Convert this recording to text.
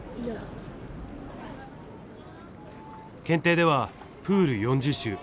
検定ではプール４０周